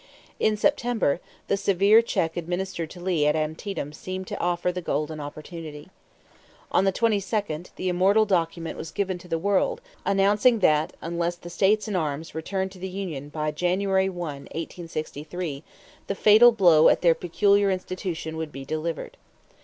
In September, the severe check administered to Lee at Antietam seemed to offer the golden opportunity. On the 22d, the immortal document was given to the world announcing that, unless the states in arms returned to the union by January 1, 1863, the fatal blow at their "peculiar institution" would be delivered.